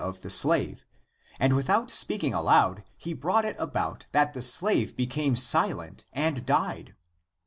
98 THE APOCRYPHAL ACTS the slave, and without speaking aloud he brought it about that the slave became silent and died.